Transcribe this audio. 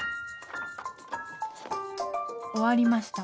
終わりました。